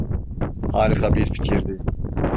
Harika bir fikirdi.